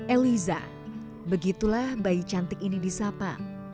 eliza begitulah bayi cantik ini disapa